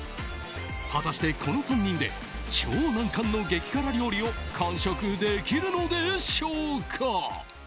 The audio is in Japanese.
果たして、この３人で超難関の激辛料理を完食できるのでしょうか。